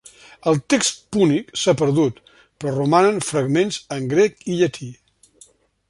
El text púnic s'ha perdut però romanen fragments en grec i llatí.